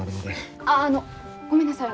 あああのごめんなさい